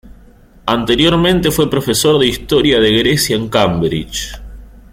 Anteriormente fue profesor de Historia de Grecia en Cambridge.